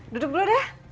duduk dulu deh